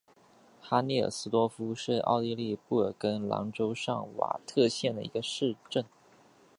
哈内尔斯多夫是奥地利布尔根兰州上瓦特县的一个市镇。